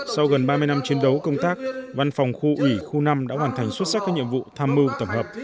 sau gần ba mươi năm chiến đấu công tác văn phòng khu ủy khu năm đã hoàn thành xuất sắc các nhiệm vụ tham mưu tổng hợp